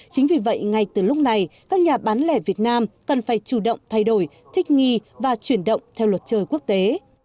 chính vì vậy ngay từ lúc này các nhà bán lẻ việt nam cần phải chủ động thay đổi thích nghi và chuyển động theo luật chơi quốc tế